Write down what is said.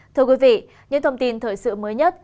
thưa quý vị những thông tin thời sự mới nhất